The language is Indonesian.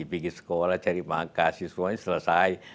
pergi sekolah cari makasih semuanya selesai